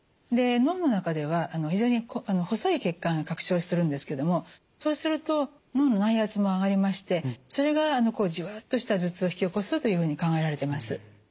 で脳の中では非常に細い血管が拡張するんですけどもそうすると脳の内圧も上がりましてそれがじわーっとした頭痛を引き起こすというふうに考えられてます。